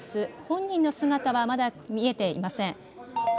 本人の姿はまだ見えていません。